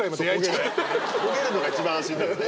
焦げるのが一番安心だからね。